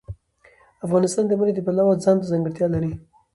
افغانستان د منی د پلوه ځانته ځانګړتیا لري.